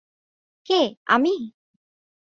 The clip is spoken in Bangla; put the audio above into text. কে, আমি?